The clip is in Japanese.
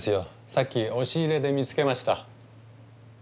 さっき押し入れで見つけました。